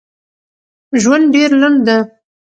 ژوند ډېر لنډ ده